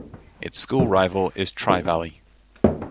Its school rival is Tri-Valley.